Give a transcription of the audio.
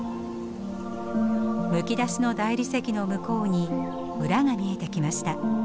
むき出しの大理石の向こうに村が見えてきました。